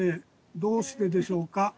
どうしてでしょうか？